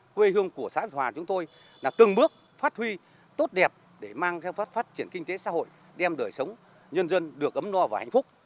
quê hương của xã hiệp hòa chúng tôi là từng bước phát huy tốt đẹp để mang theo phát triển kinh tế xã hội đem đời sống nhân dân được ấm no và hạnh phúc